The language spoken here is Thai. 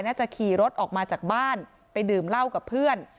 จะขี่รถออกมาจากบ้านไปดื่มเหล้ากับเพื่อน